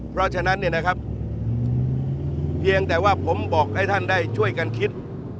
เพราะฉะนั้นเนี่ยนะครับเพียงแต่ว่าผมบอกให้ท่านได้ช่วยกันคิด